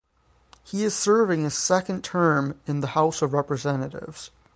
He is serving his second term in the House of Representatives.